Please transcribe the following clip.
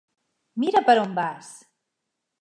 Mira per on vas!